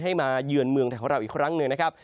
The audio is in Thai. มาเยือนเมืองไทยของเราอีกครั้งหนึ่งนะครับ